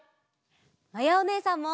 まやおねえさんも！